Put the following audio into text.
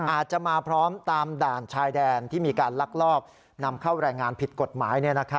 อาจจะมาพร้อมตามด่านชายแดนที่มีการลักลอบนำเข้าแรงงานผิดกฎหมาย